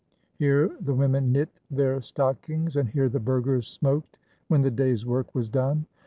Here the women knit their stockings and here the burghers smoked when the day's work was done.